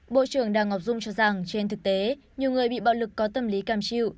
bộ trưởng đào ngọc dung cho rằng trên thực tế nhiều người bị bạo lực có tâm lý cam chịu